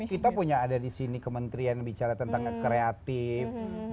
kita punya ada di sini kementerian bicara tentang kreatif